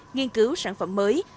nghiên cứu sản phẩm mới